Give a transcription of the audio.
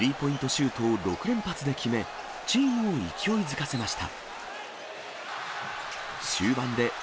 シュートを６連発で決め、チームを勢いづかせました。